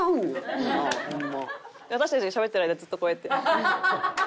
私たちがしゃべってる間ずっとこうやって。